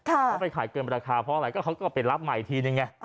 เขาไปขายเกินราคาเพราะอะไรก็เขาก็ไปรับใหม่อีกทีนึงไง